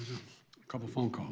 saya ada beberapa panggilan